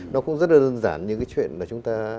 nó cũng rất là dân dản như cái chuyện mà chúng ta